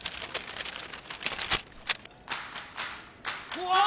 うわ！